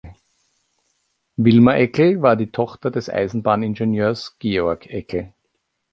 Vilma Eckl war die Tochter des Eisenbahningenieurs Georg Eckl.